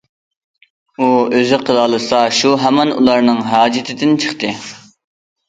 ئۇ ئۆزى قىلالىسا شۇ ھامان ئۇلارنىڭ ھاجىتىدىن چىقتى.